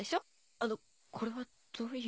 あのこれはどういう。